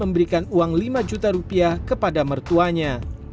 memberikan uang lima juta rupiah kepada mertuanya